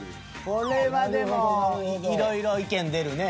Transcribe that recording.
これはでもいろいろ意見出るね。